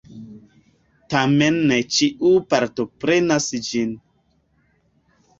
Tamen ne ĉiu partoprenas ĝin.